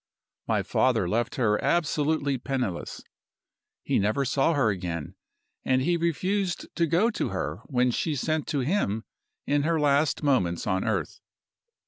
My father left her absolutely penniless. He never saw her again; and he refused to go to her when she sent to him in her last moments on earth.